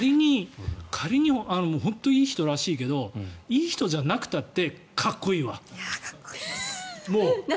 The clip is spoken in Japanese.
仮に本当にいい人らしいけどいい人じゃなくたってかっこいいわ。